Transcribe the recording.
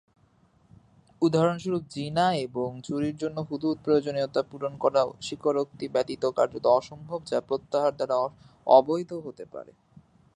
উদাহরণস্বরূপ, জিনা এবং চুরির জন্য "হুদুদ" প্রয়োজনীয়তা পূরণ করা স্বীকারোক্তি ব্যতীত কার্যত অসম্ভব, যা প্রত্যাহার দ্বারা অবৈধ হতে পারে।